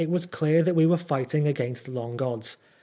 was clear that we were fighting against long odds.